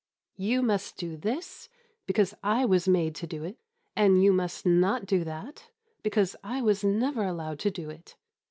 "You must do this, because I was made to do it; and you must not do that, because I was never allowed to do it.